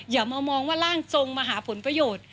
อย่ามามองว่าร่างทรงมาหาผลประโยชน์